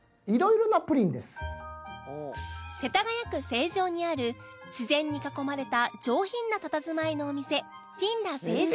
世田谷区成城にある自然に囲まれた上品な佇まいのお店ティンラ成城